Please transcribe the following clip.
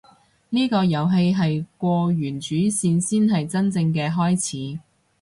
呢個遊戲係過完主線先係真正嘅開始